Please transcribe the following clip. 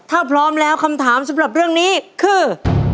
ถ้าพร้อมแล้วคำถามสำหรับเรื่องนี้คือ